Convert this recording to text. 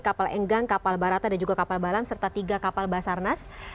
kapal enggang kapal barata dan juga kapal balam serta tiga kapal basarnas